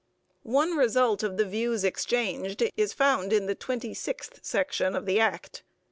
One result of the views exchanged is found in the twenty sixth section of the Act.